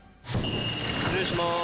失礼します。